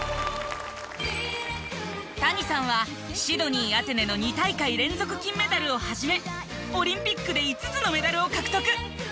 谷さんはシドニーアテネの２大会連続金メダルを始めオリンピックで５つのメダルを獲得。